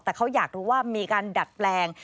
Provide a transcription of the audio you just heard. แต่เขาอยากรู้ว่ามีการดัดแปลง